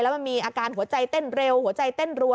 มันมีอาการหัวใจเต้นเร็วหัวใจเต้นรัว